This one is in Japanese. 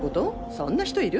そんな人いる？